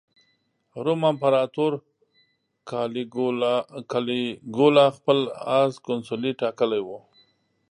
روم امپراطور کالیګولا خپل اس کونسلي ټاکلی و.